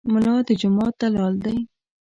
ملا د جومات دلال دی.